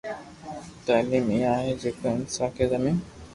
تعليم اها آهي جيڪا اسان کي زمين